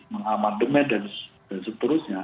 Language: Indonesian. mengamandemen dan seterusnya